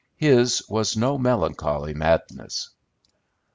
His was no melancholy madness.